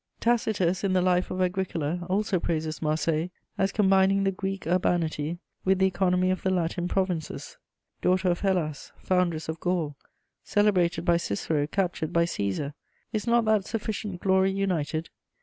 Tacitus, in the Life of Agricola, also praises Marseilles as combining the Greek urbanity with the economy of the Latin provinces. Daughter of Hellas, foundress of Gaul, celebrated by Cicero, captured by Cæsar, is not that sufficient glory united?